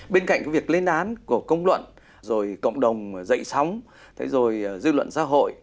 bên cạnh cái việc lên án của công luận rồi cộng đồng dậy sóng rồi dư luận xã hội